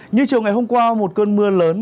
như chiều ngày hôm qua một cơn mưa lớn